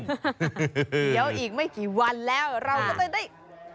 เดี๋ยวอีกไม่กี่วันแล้วเราก็จะได้